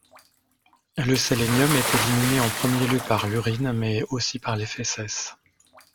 Le sélénium est éliminé en premier lieu par l'urine, mais aussi par les fèces.